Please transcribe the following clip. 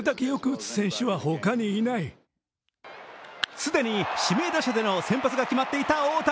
既に指名打者での先発が決まっていた大谷。